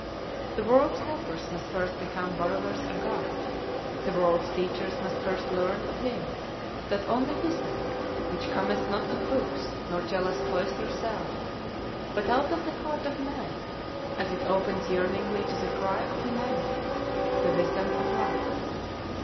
The world's helpers must first become borrowers of God. The world's teachers must first learn of him that only wisdom, which cometh not of books nor jealous cloister cells, but out of the heart of man as it opens yearningly to the cry of humanity, the Wisdom of Love.